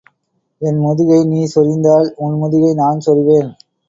என் முதுகை நீ சொறிந்தால் உன் முதுகை நான் சொறிவேன்.